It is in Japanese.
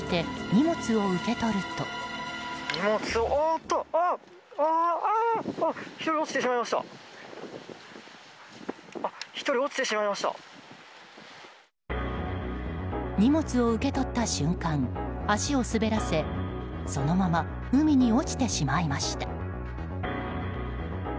荷物を受け取った瞬間足を滑らせそのまま海に落ちてしまいました。